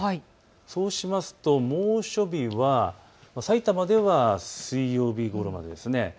そうしますと猛暑日はさいたまでは水曜日ごろまで。